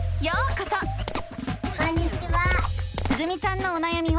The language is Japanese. こんにちは！